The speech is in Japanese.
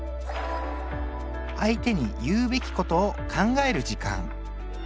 相手に言うべきことを考える時間。